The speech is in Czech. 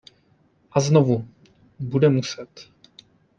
A znovu, bude muset.